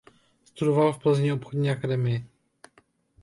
Studoval v Plzni obchodní akademii.